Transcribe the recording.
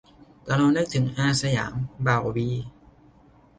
แต่เรานึกถึง "อาร์.สยาม" บ่าววี